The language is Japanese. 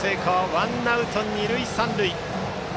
ワンアウト、二塁三塁。